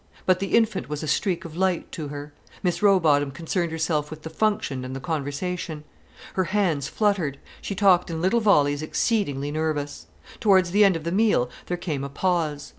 But the infant was a streak of light to her. Miss Rowbotham concerned herself with the function and the conversation. Her hands fluttered; she talked in little volleys exceedingly nervous. Towards the end of the meal, there came a pause.